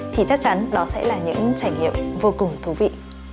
thì chắc chắn đó sẽ là những trải nghiệm vô cùng thú vị